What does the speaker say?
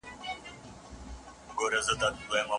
کله چې ښځه تروشو څیزونو ته زړه شي، خپل مېړه خبر کوي.